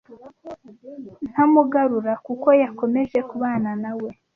ntamugarura kuko yakomeje kubana nawe